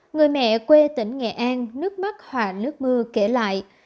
người mẹ quê tỉnh nghệ an nước mắt hòa nước mưa kể lại